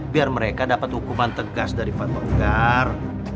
biar mereka dapat hukuman tegas dari pak tonggar